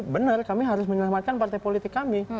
benar kami harus menyelamatkan partai politik kami